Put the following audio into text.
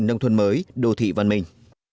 nông thuận mới đô thị văn minh